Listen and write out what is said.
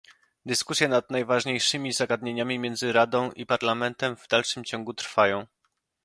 Dyskusje nad najważniejszymi zagadnieniami między Radą i Parlamentem w dalszym ciągu trwają